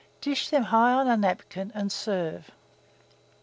Dish them high on a napkin, and serve.